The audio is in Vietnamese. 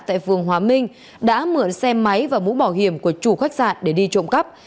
tại phường hóa minh đã mượn xe máy và mũ bảo hiểm của chủ khách sạn để đi trộm cắp